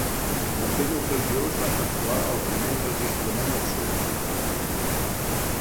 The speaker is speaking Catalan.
En aquella ocasió es va efectuar el primer enregistrament absolut.